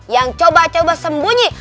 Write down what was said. yang coba coba sembunyi